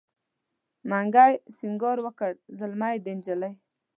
منګي سینګار وکړ زلمی دی نجلۍ